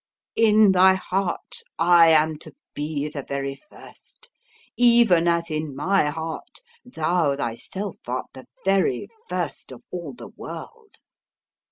In thy heart I am to be the very first even as in my heart thou thyself art the very first of all the world.